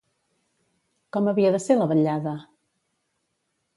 Com havia de ser la vetllada?